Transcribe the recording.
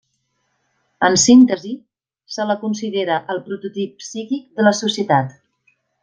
En síntesi, se la considera el prototip psíquic de la societat.